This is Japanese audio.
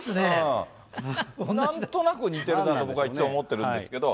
なんとなく似てるなと、僕はいっつも思ってるんですけど。